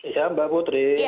iya mbak putri